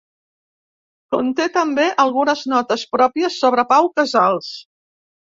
Conté també algunes notes pròpies sobre Pau Casals.